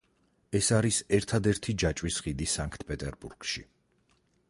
ეს არის ერთადერთი ჯაჭვის ხიდი სანქტ-პეტერბურგში.